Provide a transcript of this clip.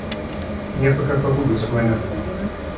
Я пока побуду с вами.